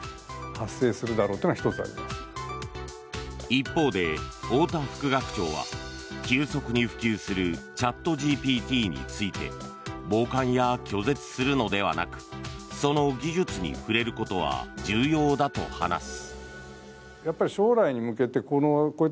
一方で太田副学長は急速に普及するチャットＧＰＴについて傍観や拒絶するのではなくその技術に触れることは重要だと話す。